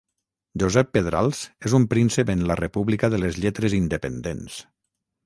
Josep Pedrals és un príncep en la república de les lletres independents.